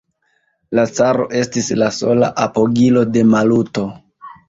La caro estis la sola apogilo de Maluto.